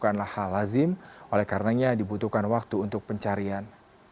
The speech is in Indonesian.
karena hal lazim oleh karenanya dibutuhkan waktu untuk pencarian